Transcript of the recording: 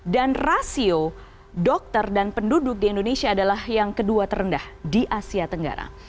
dan rasio dokter dan penduduk di indonesia adalah yang kedua terendah di asia tenggara